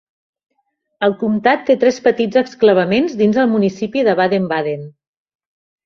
El comtat té tres petits exclavaments dins del municipi de Baden-Baden.